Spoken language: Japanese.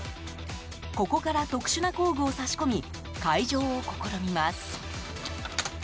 ここから特殊な工具を差し込み開錠を試みます。